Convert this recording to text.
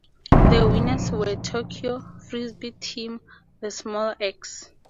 The winners were Tokyo Frisbee team The Small Axe.